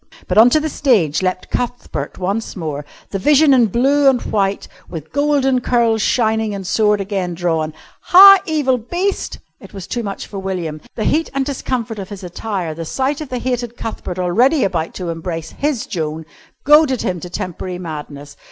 But on to the stage leapt Cuthbert once more, the vision in blue and white with golden curls shining and sword again drawn. "Ha! evil beast " It was too much for William. The heat and discomfort of his attire, the sight of the hated Cuthbert already about to embrace his Joan, goaded him to temporary madness.